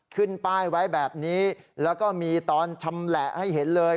ขึ้นป้ายไว้แบบนี้แล้วก็มีตอนชำแหละให้เห็นเลย